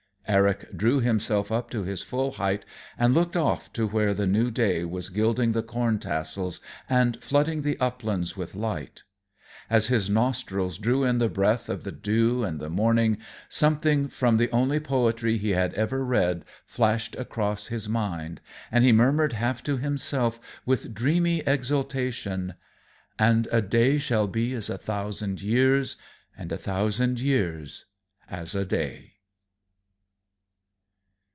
Eric drew himself up to his full height and looked off to where the new day was gilding the corn tassels and flooding the uplands with light. As his nostrils drew in the breath of the dew and the morning, something from the only poetry he had ever read flashed across his mind, and he murmured, half to himself, with dreamy exultation: "'And a day shall be as a thousand years, and a thousand years as a day.'"